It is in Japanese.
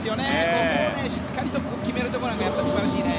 ここをしっかりと決めるところが素晴らしいね。